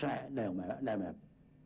sẽ đều mẹp